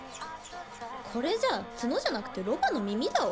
これじゃツノじゃなくてロバの耳だわ。